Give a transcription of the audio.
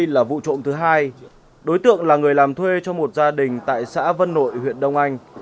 là đối tượng là người làm thuê cho một gia đình tại xã vân nội huyện đông anh